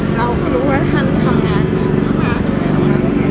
เราก็รู้ว่าท่านทำงานดีมาก